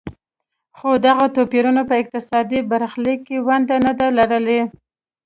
خو دغو توپیرونو په اقتصادي برخلیک کې ونډه نه ده لرلې.